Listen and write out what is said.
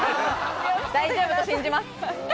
大丈夫と信じます。